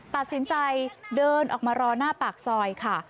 ตัดสินใจเดินออกมารอหน้าปากซอยค่ะ